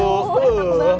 mantap masakan dari rizky nih